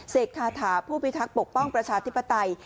คาถาผู้พิทักษ์ปกป้องประชาธิปไตย